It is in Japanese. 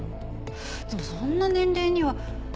でもそんな年齢には。